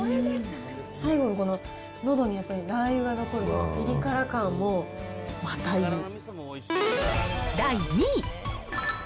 最後のこののどにやっぱりラー油が残るピリ辛感もまた、いい第２位。